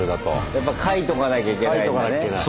やっぱ書いとかなきゃいけないんだね。